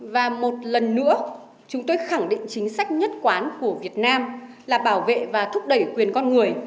và một lần nữa chúng tôi khẳng định chính sách nhất quán của việt nam là bảo vệ và thúc đẩy quyền con người